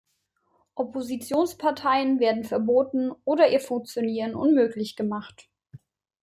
Oppositionsparteien werden verboten oder ihr Funktionieren unmöglich gemacht.